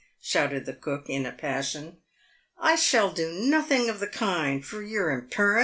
shouted the cook, in a passion. " I shall do nothing of the kind, for your imperence."